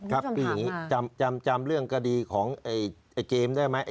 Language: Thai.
ครับพี่อย่างนี้จำเรื่องคดีของไอ้เกมได้ไหม